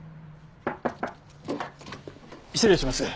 失礼します。